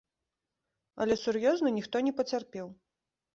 Але сур'ёзна ніхто не пацярпеў.